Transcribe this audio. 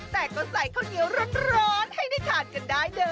แต่ก็ใส่ข้าวเหนียวร้อนให้ได้ทานกันได้เด้อ